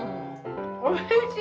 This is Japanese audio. おいしい。